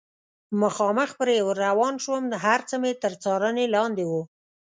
مخامخ پرې ور روان شوم، هر څه مې تر څارنې لاندې و.